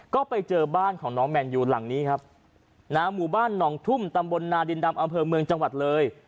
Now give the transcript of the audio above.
ก็ไปเจอบ้านของน้องแมนยูหลังนี้ครับนะฮะหมู่บ้านหนองทุ่มตำบลนาดินดำอำเภอเมืองจังหวัดเลย